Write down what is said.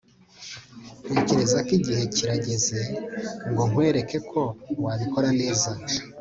ntekereza ko igihe kirageze ngo nkwereke uko wabikora neza